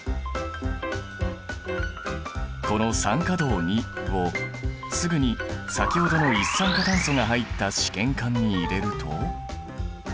この酸化銅をすぐに先ほどの一酸化炭素が入った試験管に入れると。